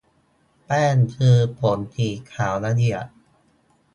แป้งคือผงสีขาวละเอียด